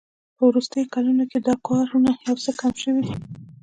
په وروستیو کلونو کې دا کارونه یو څه کم شوي دي